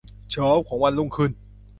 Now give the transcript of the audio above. เช้าของวันรุ่งขึ้น